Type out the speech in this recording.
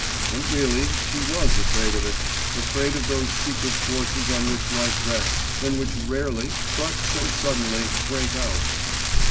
And really she was afraid of it, afraid of those secret forces on which life rests and which rarely, but so suddenly, break out.